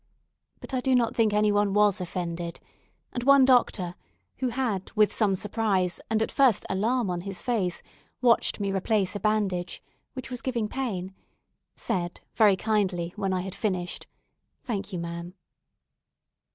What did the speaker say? But I do not think any one was offended; and one doctor, who had with some surprise and, at first, alarm on his face, watched me replace a bandage, which was giving pain, said, very kindly, when I had finished, "Thank you, ma'am."